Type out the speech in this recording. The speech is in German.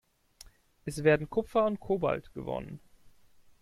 Es werden Kupfer und Kobalt gewonnen.